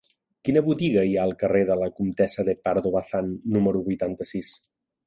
Quina botiga hi ha al carrer de la Comtessa de Pardo Bazán número vuitanta-sis?